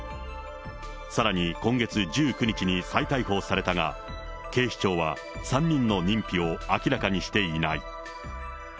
さらに今月１９日に再逮捕されたが、警視庁は３人の認否を明らかにしていない。